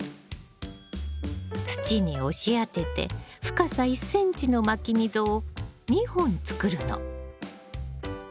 土に押し当てて深さ１ｃｍのまき溝を２本作るの。